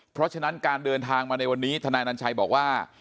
เพราะฉะนั้นการเดินทางมาในวันนี้ทนายนัญชัยบอกว่า